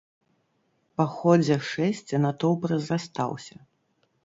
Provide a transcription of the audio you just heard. Па ходзе шэсця натоўп разрастаўся.